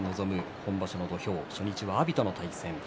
今場所の土俵初日は阿炎との対戦です。